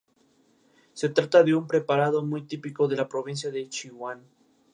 Y, por supuesto, ella es Hannah Pearson en "Aliens in the Attic".